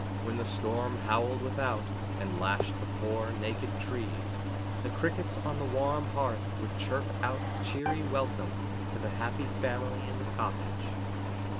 When the storm howled without, and lashed the poor, naked trees, the crickets on the warm hearth would chirp out cheery welcome to the happy family in the cottage.